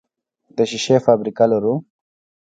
د شیشې فابریکه لرو؟